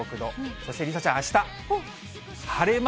そして梨紗ちゃん、あした。